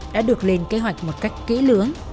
đã được lên kế hoạch một cách kỹ lưỡng